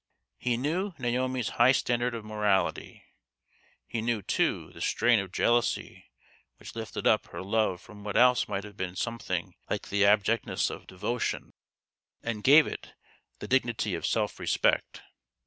He knew Naomi's high standard of morality ; he knew, too, the strain of jealousy which lifted up her love from what else might have been something like the abjectness of devotion and gave it the dignity of self respect.